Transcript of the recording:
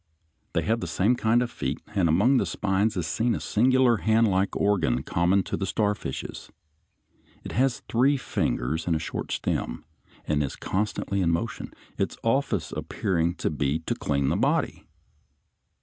They have the same kind of feet, and among the spines is seen a singular handlike organ common to the starfishes. It has three fingers (Fig. 55) and a short stem, and is constantly in motion, its office appearing to be to clean the body.